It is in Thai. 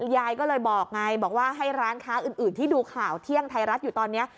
ยายก็เลยบอกไงบอกว่าให้ร้านค้าอื่นที่ดูข่าวเที่ยงไทยรัฐอยู่ตอนนี้